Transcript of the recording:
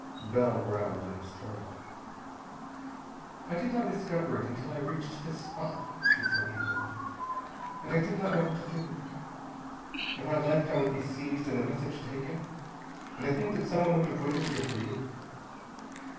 Bell growled in his throat. "I did not discover it until I reached this spot," she said evenly. "And I did not know what to do. If I left, I would be seized and the message taken and I think that someone would have waited here for you.